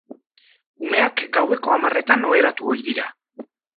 Umeak gaueko hamarretan oheratu ohi dira.